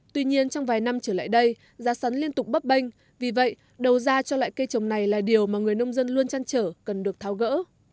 tuy nhiên trong vài năm trở lại đây giá sắn liên tục bấp bênh vì vậy đầu ra cho loại cây trồng này là điều mà người nông dân luôn chăn trở cần được tháo gỡ